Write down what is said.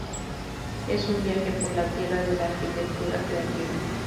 Es un viaje por la tierra de la arquitectura creativa.